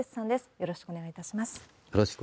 よろしくお願いします。